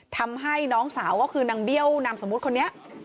ทำให้น้องสาวก็คือนางเบี้ยวนามสมมุติคนนี้